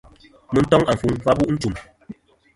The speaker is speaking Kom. Mɨ toŋ àfuŋ a v̀ bu' nchum.